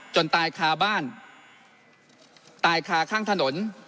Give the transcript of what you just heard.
ตายคาบ้านตายคาข้างถนน